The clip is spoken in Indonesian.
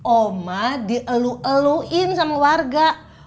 oma di elu eluin sama warga